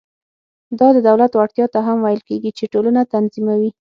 دا د دولت وړتیا ته هم ویل کېږي چې ټولنه تنظیموي.